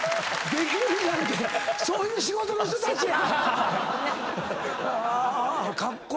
「できるじゃん」ってそういう仕事の人たちや！